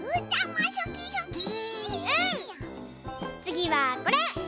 つぎはこれ！